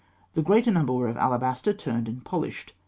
The greater number were of alabaster, turned and polished.